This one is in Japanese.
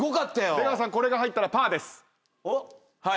出川さんこれが入ったらパーです。